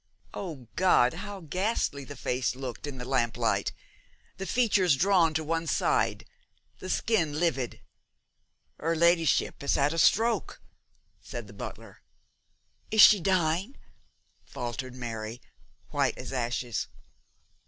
Oh, God! how ghastly the face looked in the lamplight! the features drawn to one side, the skin livid. 'Her ladyship has had a stroke,' said the butler. 'Is she dying?' faltered Mary, white as ashes.